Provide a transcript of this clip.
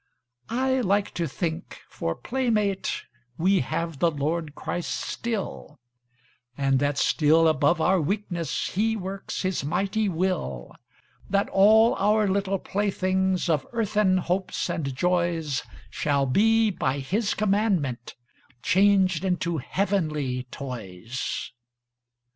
I like to think, for playmate We have the Lord Christ still, And that still above our weakness He works His mighty will, That all our little playthings Of earthen hopes and joys Shall be, by His commandment, Changed into heavenly toys.